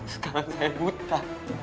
sekarang saya buta